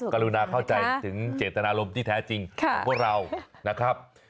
กรุณาเข้าใจถึงเจตนารมณ์ที่แท้จริงของพวกเรานะครับ